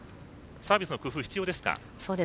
サービスの工夫、必要ですか。